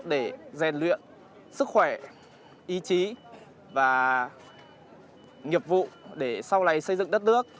để rèn luyện sức khỏe ý chí và nghiệp vụ để sau này xây dựng đất nước